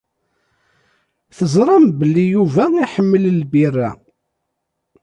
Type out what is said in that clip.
Teẓram belli Yuba iḥemmel lbirra.